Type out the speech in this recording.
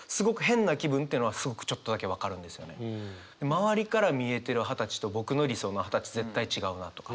周りから見えてる二十歳と僕の理想の二十歳絶対違うなとか。